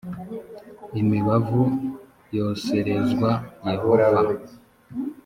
imibavu yoserezwa yehova